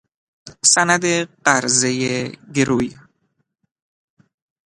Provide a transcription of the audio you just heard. سند قرضه گروی